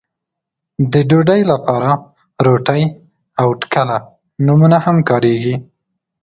د ډوډۍ لپاره روټۍ او ټکله نومونه هم کاريږي.